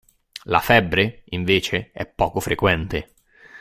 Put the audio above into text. La febbre, invece, è poco frequente.